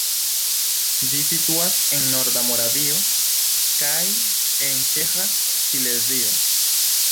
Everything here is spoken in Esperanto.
Ĝi situas en norda Moravio kaj en ĉeĥa Silezio.